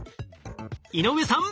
井上さん！